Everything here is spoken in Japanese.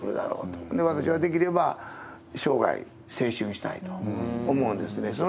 ほんで、私はできれば、生涯青春したいと思うんですね。